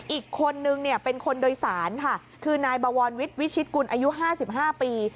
อีกคนนึงเนี่ยเป็นคนโดยสารค่ะคือนายบวรวิทย์วิชิตกุลอายุ๕๕ปี